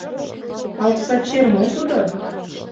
А окса чер мо тудо?